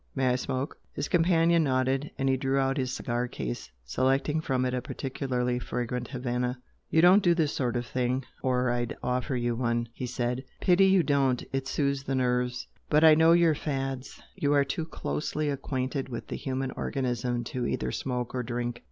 May I smoke?" His companion nodded, and he drew out his cigar case, selecting from it a particularly fragrant Havana. "You don't do this sort of thing, or I'd offer you one," he said, "Pity you don't, it soothes the nerves. But I know your 'fads'; you are too closely acquainted with the human organism to either smoke or drink.